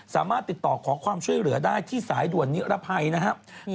สามารถติดต่อขอความช่วยเหลือได้ที่สายด่วนนิรภัยนะครับ